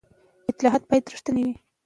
اصلاحات باید رښتیني وي